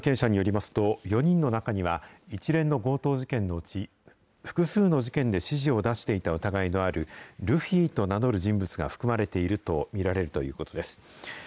捜査関係者によりますと、４人の中には、一連の強盗事件のうち、複数の事件で指示を出していた疑いのある、ルフィと名乗る人物が含まれていると見られるということです。